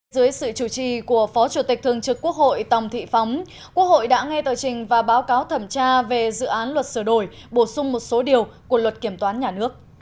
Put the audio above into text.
dưới sự chủ trì của phó chủ tịch thường trực quốc hội tòng thị phóng quốc hội đã nghe tờ trình và báo cáo thẩm tra về dự án luật sửa đổi bổ sung một số điều của luật kiểm toán nhà nước